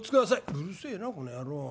「うるせえなこの野郎。